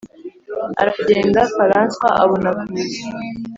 Aragenda Faranswa abona kuza,